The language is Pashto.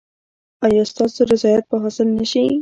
ایا ستاسو رضایت به حاصل نه شي؟